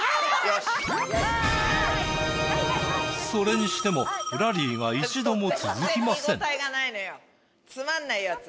それにしてもラリーは一度も続きません。